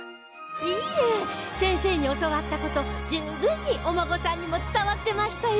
いえ先生に教わった事十分にお孫さんにも伝わってましたよ。